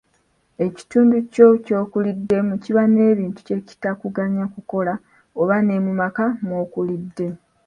Ekitundu kyo ky'okuliddemu kiba n'ebintu bye kitakuganya kukola oba ne mu maka mw'okulidde.